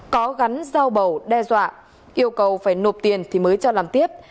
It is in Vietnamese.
có gắn dao bầu đe dọa yêu cầu phải nộp tiền thì mới cho làm tiếp